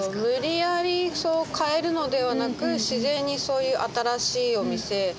無理やりそう変えるのではなく自然にそういう新しいお店